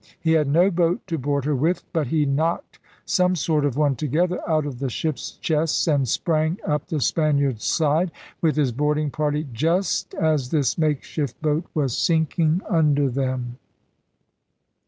He had no boat to board her with. But he knocked some sort of one together out of the ship's chests and sprang up the Spaniard's side with his boarding party just as this makeshift boat was sinking under them.